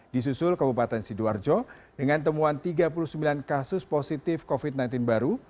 di susul kabupaten sidoarjo dengan temuan tiga puluh sembilan kasus positif covid sembilan belas baru